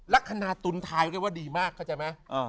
ลักษณะตุนทายเรียกว่าดีมากเข้าใจไหม